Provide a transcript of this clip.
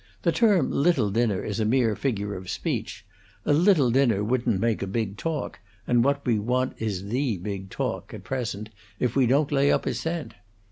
The term little dinner is a mere figure of speech. A little dinner wouldn't make a big talk, and what we want is the big talk, at present, if we don't lay up a cent.